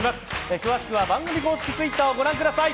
詳しくは番組公式ツイッターをご覧ください。